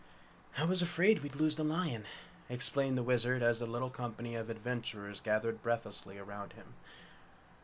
"I was afraid we'd lose the lion," explained the Wizard as the little company of adventurers gathered breathlessly round him.